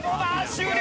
終了！